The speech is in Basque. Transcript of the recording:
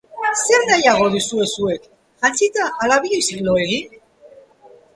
Zer nahiago duzue zuek, jantzita ala biluzik lo egin?